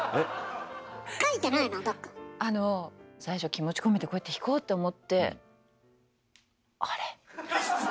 最初気持ち込めてこうやって弾こうって思って「あれ？